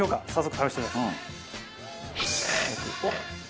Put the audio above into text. おっ。